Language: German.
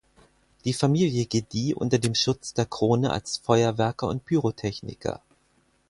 Die Familie gedieh unter dem Schutz der Krone als Feuerwerker und Pyrotechniker.